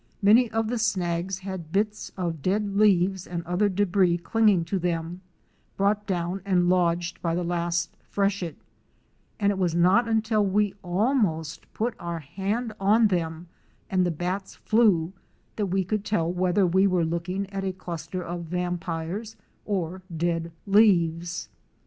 Many of the snags had bits of dead leaves and other débris clinging to them, brought down and lodged by the last freshet, and it was not until we almost put our hand on them and the bats flew, that we could tell whether we were looking at a cluster of vampires or dead leaves.